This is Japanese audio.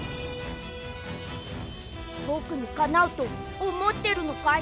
ぼくにかなうとおもってるのかい？